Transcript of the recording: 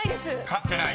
［飼ってない。